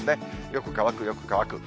よく乾く、よく乾く。